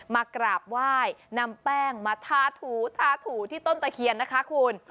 มากราบไหว้นำแป้งมาทาถูทาถูที่ต้นตะเคียนนะคะคุณ